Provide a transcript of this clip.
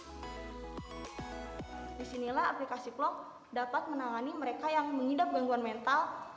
di sinilah aplikasi plong dapat menangani mereka yang mengidap gangguan mental